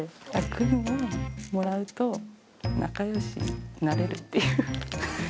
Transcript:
グミをもらうと、仲よしになれるっていう。